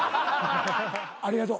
ありがとう。